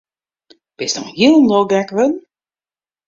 Bist no hielendal gek wurden?